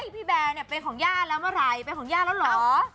พี่แบร์เป็นของย่าแล้วเมื่อไหร่เป็นของย่าแล้วเหรอ